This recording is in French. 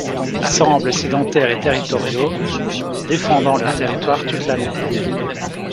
Ils semblent sédentaires et territoriaux, défendant leur territoire toute l’année.